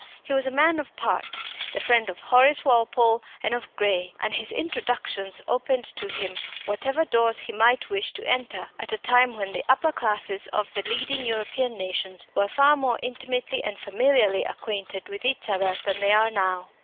He was a man of parts, the friend of Horace Walpole and of Gray, and his introductions opened to him whatever doors he might wish to enter, at a time when the upper classes of the leading European nations were far more intimately and familiarly acquainted with each other than they are now.